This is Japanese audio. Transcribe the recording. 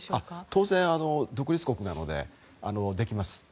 当然、独立国なのでできます。